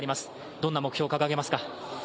どんな目標を掲げますか？